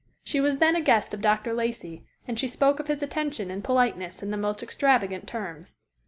She was then a guest of Dr. Lacey, and she spoke of his attention and politeness in the most extravagant terms.